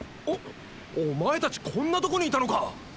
おっお前たちこんなとこにいたのか！